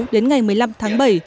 đến ngày một mươi năm tháng bảy